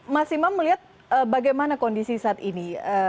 mas imam melihat bagaimana kondisi saat ini